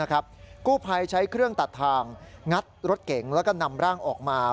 กู้ภัยใช้เครื่องตัดทางงัดรถเก๋งแล้วก็นำร่างออกมา